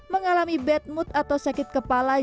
mengalami bad mood atau sakit kepala